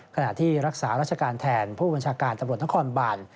ขณะที่รักษาราชการแทนผู้บัญชาการตำรวจนครบาน